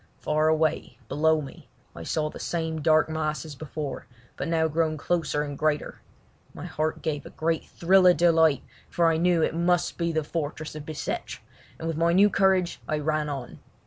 Far away, below me, I saw the same dark mass as before, but now grown closer and greater. My heart gave a great thrill of delight, for I knew that it must be the fortress of Bicêtre, and with new courage I ran on.